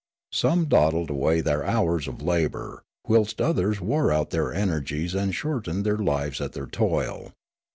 Some dawdled away their hours of labour, whilst others wore out their energies and shortened their lives at their toil.